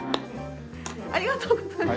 ありがとうございます！